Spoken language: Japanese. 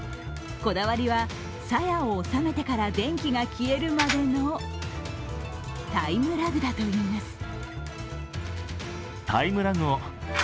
こだわりは、さやを収めてから電気が消えるまでのタイムラグだといいます。